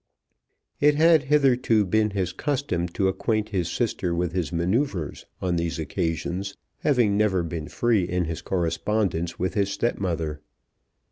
It had hitherto been his custom to acquaint his sister with his manoeuvres on these occasions, having never been free in his correspondence with his stepmother.